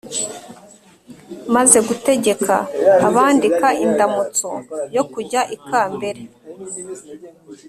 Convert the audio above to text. Maze gutegeka abandika indamutso yo kujya Ikambere,